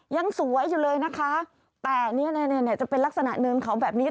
ยังสวยอยู่เลยนะคะแต่เนี่ยจะเป็นลักษณะเนินเขาแบบนี้